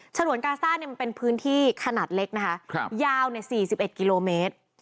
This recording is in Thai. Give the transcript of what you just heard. ฉนวนกาซ่ามันเป็นพื้นที่ขนาดเล็กนะคะยาว๔๑กิโลเมตร